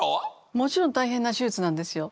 もちろん大変な手術なんですよ。